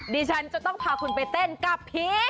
ดิฉันจะต้องพาคุณไปเต้นกับผี